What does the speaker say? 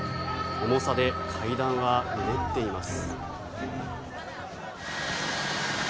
重さで階段はうねっています。